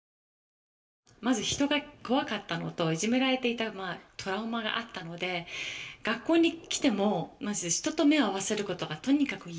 まず人が怖かったのといじめられていたトラウマがあったので学校に来てもまず人と目を合わせることがとにかく嫌だ。